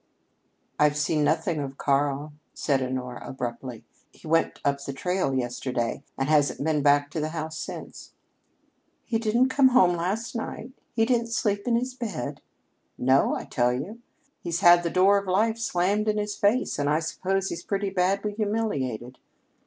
"I've seen nothing of Karl," said Honora abruptly. "He went up the trail yesterday morning, and hasn't been back to the house since." "He didn't come home last night? He didn't sleep in his bed?" "No, I tell you. He's had the Door of Life slammed in his face, and I suppose he's pretty badly humiliated.